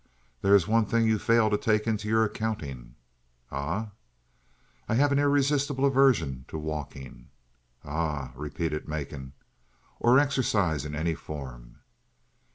"There is one thing you fail to take into your accounting." "Ah?" "I have an irresistible aversion to walking." "Ah?" repeated Macon. "Or exercise in any form."